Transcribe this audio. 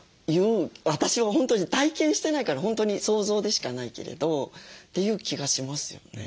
私は本当に体験してないから本当に想像でしかないけれどっていう気がしますよね。